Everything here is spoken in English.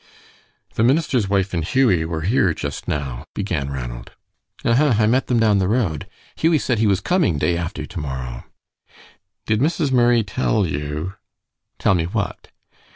"The minister's wife and Hughie were here just now," began Ranald. "Huh huh, I met them down the road. Hughie said he was coming day after to morrow." "Did Mrs. Murray tell you " "Tell me what?"